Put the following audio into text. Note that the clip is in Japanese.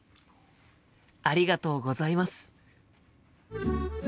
ありがとうございます。